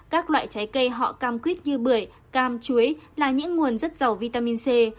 các loại trái cây họ cam quýt như bưởi cam chuối là những nguồn rất giàu vitamin c